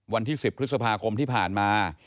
วันที่๑๐พฤษภาคมที่ผ่านมา